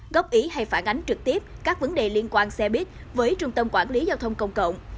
góp ý hay phản ánh trực tiếp các vấn đề liên quan xe buýt với trung tâm quản lý giao thông công cộng